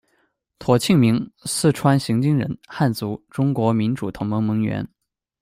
庹庆明，四川荥经人，汉族，中国民主同盟盟员。